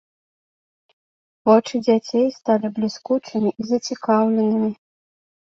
Вочы дзяцей сталі бліскучымі і зацікаўленымі.